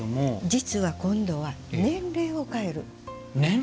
実は今度は年齢を変える。